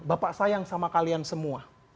bapak sayang sama kalian semua